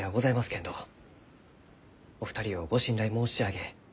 けんどお二人をご信頼申し上げ